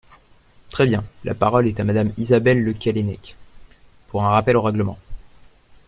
Très bien ! La parole est à Madame Isabelle Le Callennec, pour un rappel au règlement.